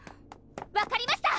分かりました！